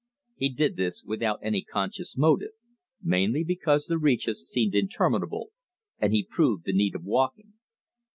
He did this without any conscious motive mainly because the reaches seemed interminable, and he proved the need of walking.